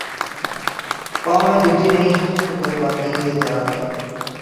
پاؤں میں جوتی نہیں تو کوئی بات نہیں یہ جہاد ہے۔